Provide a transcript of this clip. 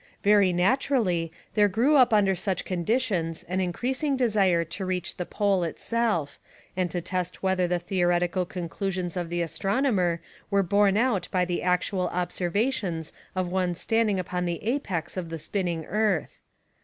Very naturally there grew up under such conditions an increasing desire to reach the Pole itself, and to test whether the theoretical conclusions of the astronomer were borne out by the actual observations of one standing upon the apex of the spinning earth.